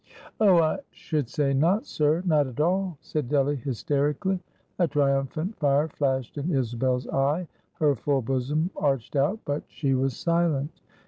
"Oh! I should say not, sir; not at all," said Delly hysterically. A triumphant fire flashed in Isabel's eye; her full bosom arched out; but she was silent.